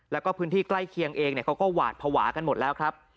แล้วก็พื้นที่ใกล้เคียงเองเขาก็หวาดภาวะกันหมดแล้วครับ